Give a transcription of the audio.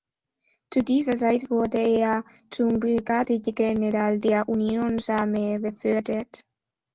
Zu dieser Zeit wurde er zum Brigadegeneral der Unionsarmee befördert.